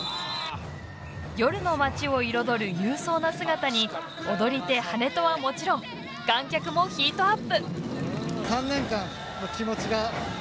夜の町を彩る勇壮な姿に踊り手、跳人はもちろん、観客もヒートアップ！